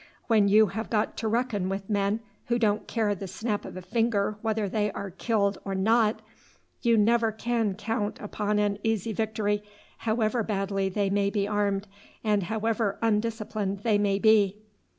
When you have got to reckon with men who don't care the snap of a finger whether they are killed or not, you never can count upon an easy victory however badly they may be armed, and however undisciplined they may be.